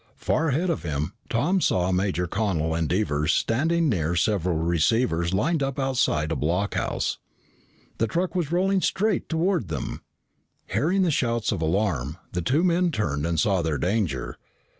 Far ahead of him, Tom saw Major Connel and Devers standing near several receivers lined up outside a blockhouse. The truck was rolling straight toward them. Hearing the shouts of alarm, the two men turned and saw their danger.